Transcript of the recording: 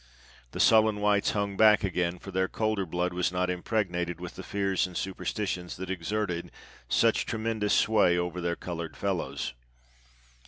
The sullen whites hung back again, for their colder blood was not impregnated with the fears and superstitions that exerted such tremendous sway over their colored fellows.